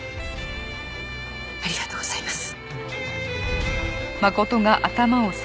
ありがとうございます。